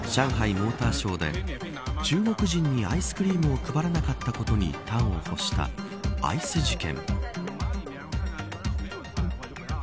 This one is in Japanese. モーターショーで中国人にアイスクリームを配らなかったことに端を発したアイス事件。